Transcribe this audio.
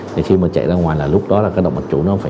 thì khi mà chạy ra ngoài là lúc đó là cái động mạch chủ nó phải